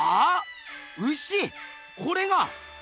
これが？